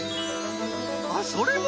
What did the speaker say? あっそれも！